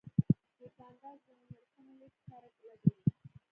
دوکاندار د نرخونو لیست ښکاره لګوي.